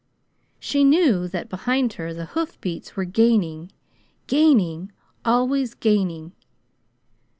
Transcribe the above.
She knew that behind her the hoof beats were gaining, gaining, always gaining.